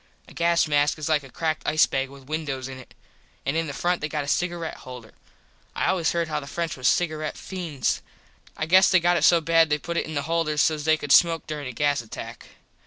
A gas mask is like a cracked ice bag with windos in it. An in the front they got a cigaret holder. I always heard how the French was cigaret feends. I guess it got so bad they put in the holders sos they could smoke during a gas attack.